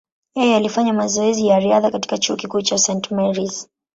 Yeye alifanya mazoezi ya riadha katika chuo kikuu cha St. Mary’s.